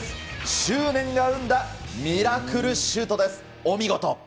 執念が生んだミラクルシュートです。